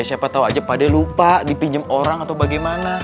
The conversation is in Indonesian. siapa tahu aja pade lupa dipinjam orang atau bagaimana